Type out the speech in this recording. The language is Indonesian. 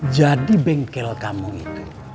jadi bengkel kamu itu